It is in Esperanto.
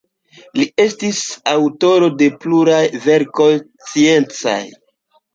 Li estis aŭtoro de pluraj verkoj sciencaj.